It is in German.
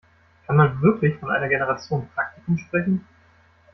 Kann man wirklich von einer Generation Praktikum sprechen?